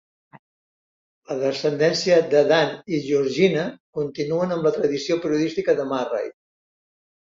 La descendència de Dan i Georgina continuen amb la tradició periodística de Murray.